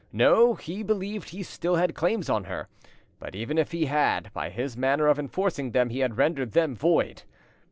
No, he believed he still had claims on her, but even if he had, by his manner of enforcing them he had rendered them void.